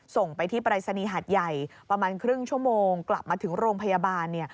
ส่งไปที่ปรายศนีย์หาดใหญ่ประมาณครึ่งชั่วโมงกลับมาถึงโรงพยาบาล